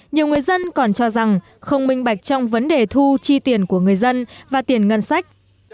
nhiều người dân còn cho rằng không minh bạch trong vấn đề thu chi tiền của người dân và tiền ngân sách